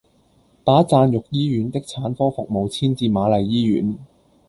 把贊育醫院的產科服務遷至瑪麗醫院